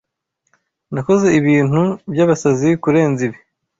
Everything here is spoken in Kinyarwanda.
Nakoze ibintu byabasazi kurenza ibi.